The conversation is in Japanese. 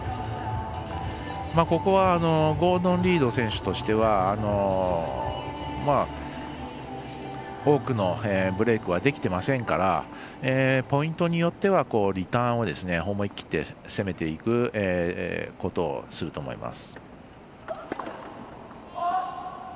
ここはゴードン・リード選手としては多くのブレークはできていませんからポイントによってはリターンを思い切って攻めていくことをすると思います。